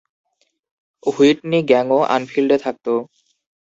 Whitney গ্যাংও অ্যানফিল্ডে থাকত।